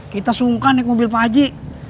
kita sungkan naik mobil pak haji